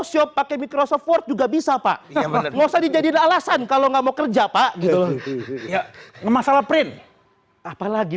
softboard juga bisa pak nggak usah dijadiin alasan kalau nggak mau kerja pak gitu masalah print apalagi